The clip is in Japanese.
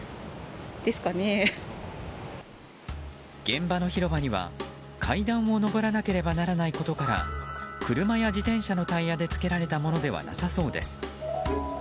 現場の広場には、階段を上らなければならないことから車や自転車のタイヤでつけられたものではなさそうです。